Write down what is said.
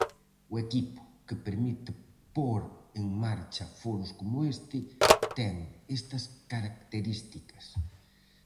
O equipo, que permite pór en marcha foros como este, ten estas características: